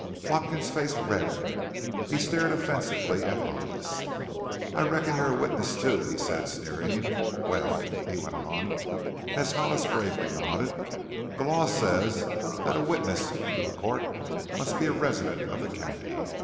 Watkins's face reddened. He stared offensively at Hollis. "I reckon you're a witness, too," he said, sneering. "Well," he went on as Hollis gravely nodded, "the law says that a witness to the count must be a resident of the county.